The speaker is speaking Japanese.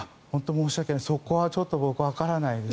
申し訳ないですが僕はそこはわからないですね。